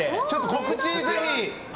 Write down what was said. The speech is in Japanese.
告知ぜひ。